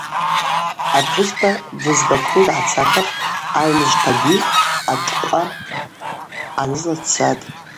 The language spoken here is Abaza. Апхӏвыспа дызгаквуз гӏацапахтӏ, Айныжвпагьи атӏкъва ъанызла дцатӏ.